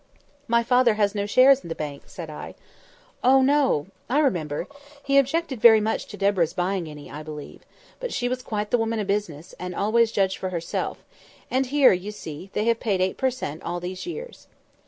"My father has no shares in the bank," said I. "Oh, no! I remember. He objected very much to Deborah's buying any, I believe. But she was quite the woman of business, and always judged for herself; and here, you see, they have paid eight per cent. all these years."